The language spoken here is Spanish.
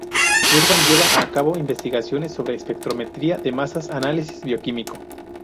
Urban lleva a cabo investigaciones sobre espectrometría de masas y análisis bioquímico.